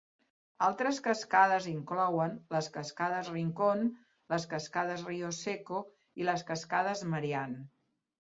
Altres cascades inclouen les Cascades Rincon, les Cascades Rio Seco i les Cascades Marianne.